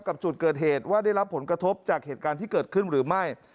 กับจุดเกิดเหตุว่าได้รับผลกระทบจากเหตุการณ์ที่เกิดขึ้นหรือไม่